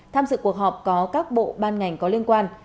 tham dự cuộc họp có các bộ ban ngành có liên quan